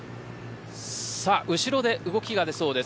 後ろで動きがあるそうです。